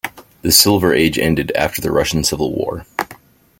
The Silver Age ended after the Russian Civil War.